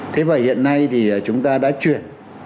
thế và hiện nay thì chúng ta đã chuyển